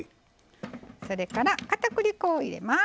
それからかたくり粉を入れます。